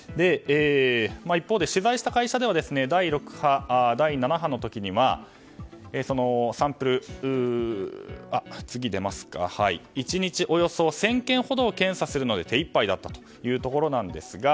一方で取材した会社では第６波、７波の時には１日およそ１０００件ほどを検査するので手一杯だったというところですが。